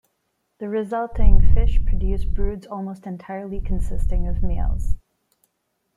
The resulting fish produce broods almost entirely consisting of males.